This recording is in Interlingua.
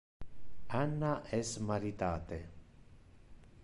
Anna es maritate.